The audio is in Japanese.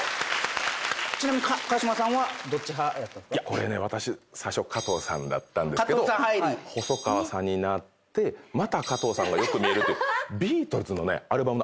これね私最初はかとうさんだったんですけど細川さんになってまたかとうさんが良く見えるという。